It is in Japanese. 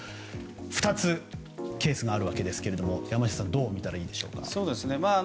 ２つ、ケースがあるわけですけれども山下さんどう見たらいいでしょうか。